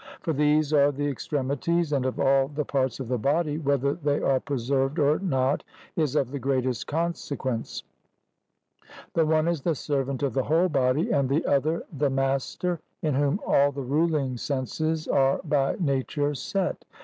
For these are the extremities, and of all the parts of the body, whether they are preserved or not is of the greatest consequence; the one is the servant of the whole body, and the other the master, in whom all the ruling senses are by nature set.